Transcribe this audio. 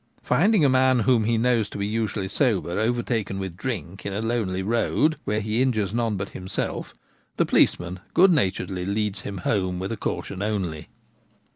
Finding a man whom he knows to be usually sober overtaken with drink in a lonely road, where he injures none but himself, the policeman good naturedly leads him home with a caution only.